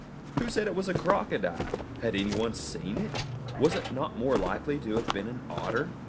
Who said it was a crocodile? Had anyone seen it? Was it not more likely to have been an otter?